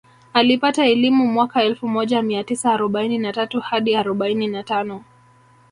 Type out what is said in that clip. Alipata elimu mwaka elfu moja mia tisa arobaini na tatu hadi arobaini na tano